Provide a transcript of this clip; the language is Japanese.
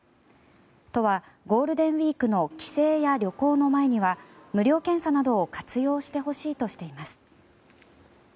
都は、ゴールデンウィークの帰省や旅行の前には無料検査などを活用してほしいとしています。